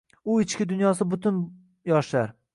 U ichki dunyosi butun yoshlar.